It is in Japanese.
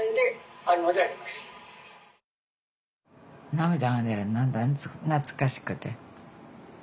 涙が出る懐かしくて。